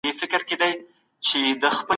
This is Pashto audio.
د بدن لپاره مېوې یوه بې مثاله ډالۍ ده.